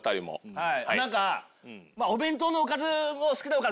はい。